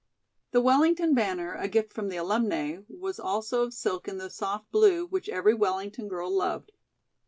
The Wellington banner, a gift from the alumnae, was also of silk in the soft blue which every Wellington girl loved.